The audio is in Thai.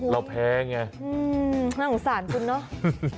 อ๋อเราแพ้ไงอื้อหงสารคุณเนาะ